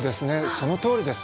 そのとおりです。